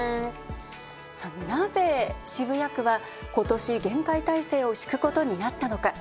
なぜ渋谷区は、今年厳戒態勢を敷くことになったのか。